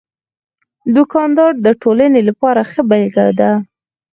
دوکاندار د ټولنې لپاره ښه بېلګه ده.